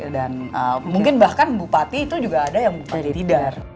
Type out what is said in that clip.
dan mungkin bahkan bupati itu juga ada yang bupati tidar